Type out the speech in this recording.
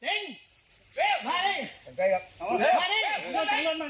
เพื่อปลดประชาชนภาคออกไปก่อน